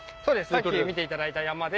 さっき見ていただいた山で。